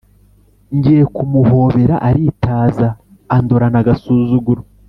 Ngiye kumuhobera aritaza andorana agasuzuguro